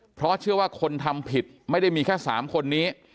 เพราะเชื่อว่าคนทำผิดไม่ได้มีแค่๓คนนี้